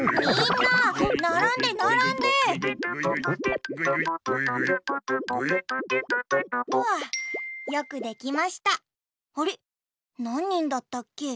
なんにんだったっけ？